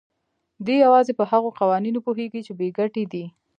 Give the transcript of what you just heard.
دی يوازې پر هغو قوانينو پوهېږي چې بې ګټې دي.